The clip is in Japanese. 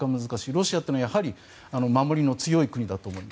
ロシアは守りの強い国だと思います。